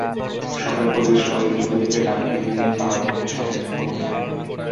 সকালে প্রতিবেশীরা ওই গৃহবধূকে ডাকতে গিয়ে তালা দেখে স্বজনদের খবর দেন।